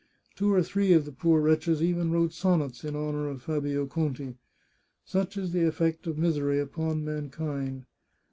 Two or three of the poor wretches even wrote sonnets in honour of Fabio Conti. Such is the effect of misery upon mankind.